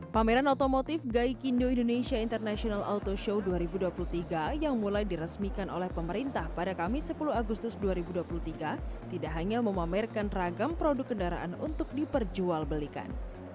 pameran otomotif gaikindo indonesia international auto show dua ribu dua puluh tiga yang mulai diresmikan oleh pemerintah pada kamis sepuluh agustus dua ribu dua puluh tiga tidak hanya memamerkan ragam produk kendaraan untuk diperjualbelikan